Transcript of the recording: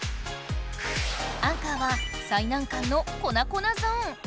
アンカーは最難関の「粉粉ゾーン」！